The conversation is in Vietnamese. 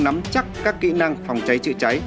nắm chắc các kỹ năng phòng cháy chữa cháy